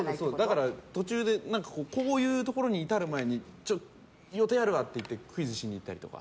だから、途中でこういうところに至る前に予定あるわって言ってクイズしに行ったりとか。